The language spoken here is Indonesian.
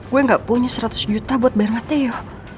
gue gak punya seratus juta buat bayar material